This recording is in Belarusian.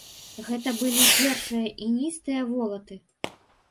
Гэта былі першыя іністыя волаты.